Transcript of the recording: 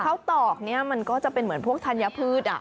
ข้าวตอกนี่มันก็จะเป็นเหมือนพวกทัญพืชอ่ะ